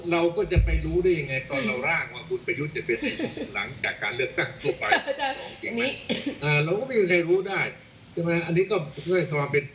เราก็จะไปรู้ได้ยังไงตอนเรามีแรง